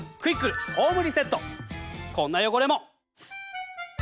こんな汚れも。